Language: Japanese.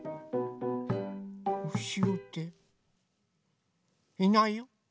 うしろっていないよ。